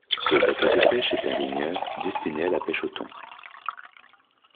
Ce bateau de pêche est un ligneur destiné à la pêche au thon.